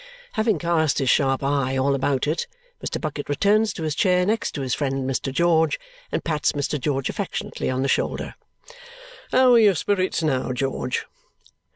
Having cast his sharp eye all about it, Mr. Bucket returns to his chair next his friend Mr. George and pats Mr. George affectionately on the shoulder. "How are your spirits now, George?"